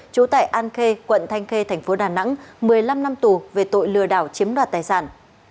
trú tại an khê quận thanh khê thành phố đà nẵng một mươi năm năm tù về tội lừa đảo chiếm đoạt tài sản